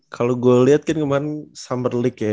kalau gue liat kan kemarin summer league ya